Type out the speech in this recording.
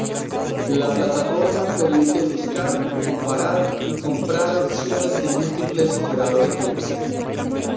La plataforma permite buscar, comparar y comprar opciones de múltiples operadores de buses.